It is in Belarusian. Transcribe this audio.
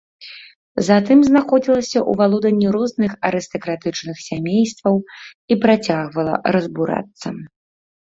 Затым знаходзілася ў валоданні розных арыстакратычных сямействаў і працягвала разбурацца.